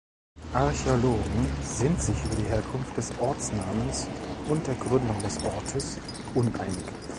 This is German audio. Archäologen sind sich über die Herkunft des Ortsnamens und der Gründung des Ortes uneinig.